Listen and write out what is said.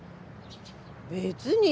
別に。